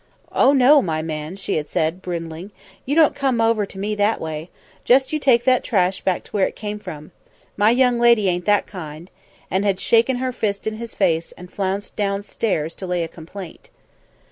"Oh, no, my man!" she had said, bridling, "you don't come over me that way. Just you take that trash back to where it came from. My young lady ain't that kind," and had shaken her fist in his face and flounced downstairs to lay a complaint.